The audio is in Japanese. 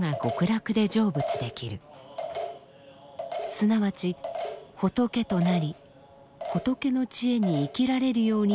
すなわち仏となり仏の知恵に生きられるようになるのだと説きました。